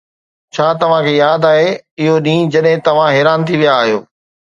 ڇا توهان کي ياد آهي اهو ڏينهن جڏهن توهان حيران ٿي ويا آهيو؟